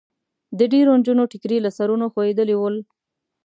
د ډېریو نجونو ټیکري له سرونو خوېدلي ول.